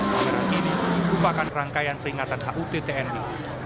pameran ini merupakan rangkaian peringatan hut tni